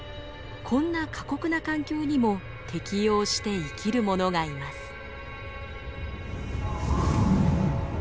こんな過酷な環境にも適応して生きるものがいます。